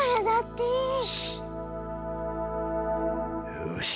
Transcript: よし。